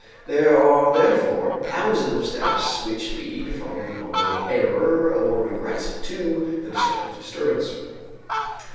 There are therefore thousands of steps which lead from the normal error or regret to the destructive disturbance.